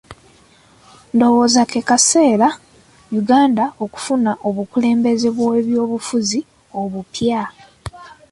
Ndowooza ke kaseera Uganda okufuna obukulembeze bw'ebyobufuzi obupya.